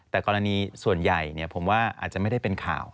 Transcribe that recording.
แต่กรณีส่วนใหญ่ผมว่าอาจจะไม่ได้เป็นข่าว